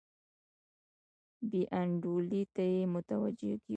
بې انډولۍ ته یې متوجه کیږو.